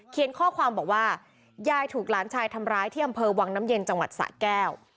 ข้อความบอกว่ายายถูกหลานชายทำร้ายที่อำเภอวังน้ำเย็นจังหวัดสะแก้ว